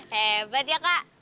hebat ya kak